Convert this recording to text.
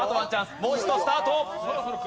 もう一度スタート。